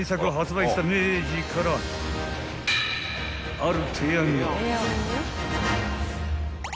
［ある］